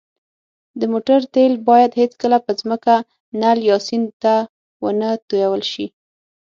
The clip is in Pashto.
د موټر تېل باید هېڅکله په ځمکه، نل، یا سیند ته ونهتوېل ش